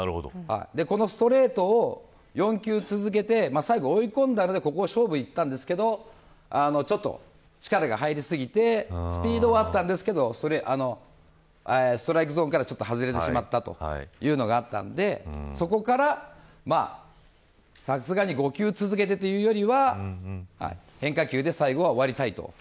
このストレートを４球続けて最後に追い込んだので勝負にいったんですがちょっと力が入りすぎてスピードはありましたがストライクゾーンから、ちょっと外れてしまったというのがあったんでそこからさすがに５球続けてというよりは変化球で最後は終わりたいと。